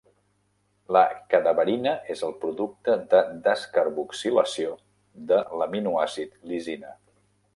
La cadaverina és el producte de descarboxilació de l'aminoàcid lisina.